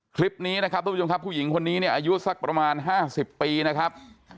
คลิปนี้นะครับทุกผู้ชมครับผู้หญิงคนนี้เนี่ยอายุสักประมาณ๕๐ปีนะครับ